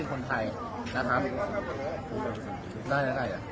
โอเค